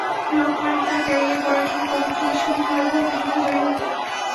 পুলক পড়েন তাঁর ক্যারিয়ার গড়ার জন্য, পবিত্র বিশ্ববিদ্যালয় ভর্তিযুদ্ধে জয়ী হতে।